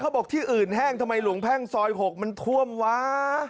บอกที่อื่นแห้งทำไมหลวงแพ่งซอย๖มันท่วมวะ